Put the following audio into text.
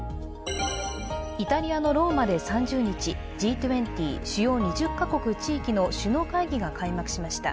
イタリアのローマで３０日Ｇ２０＝主要２０か国・地域の首脳会議が開幕しました。